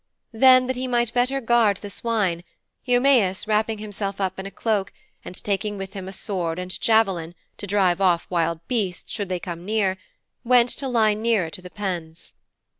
Then, that he might better guard the swine, Eumæus, wrapping himself up in a cloak, and taking with him a sword and javelin, to drive off wild beasts should they come near, went to lie nearer to the pens.